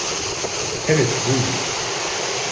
Evet, buydu.